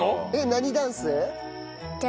何ダンス？